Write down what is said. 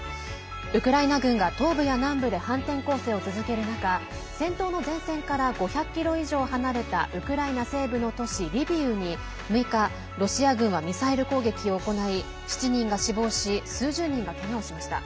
ウクライナ軍が東部や南部で反転攻勢を続ける中戦闘の前線から５００ｋｍ以上離れたウクライナ西部の都市リビウに６日ロシア軍はミサイル攻撃を行い７人が死亡し、数十人がけがをしました。